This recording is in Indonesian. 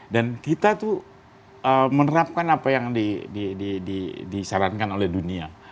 dan kita tuh menerapkan apa yang disarankan oleh dunia